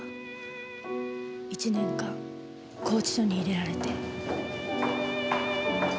１年間拘置所に入れられて。